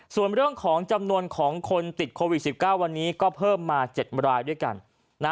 ส่วนเรื่องของจำนวนของคนติดโควิด๑๙วันนี้ก็เพิ่มมา๗รายด้วยกัน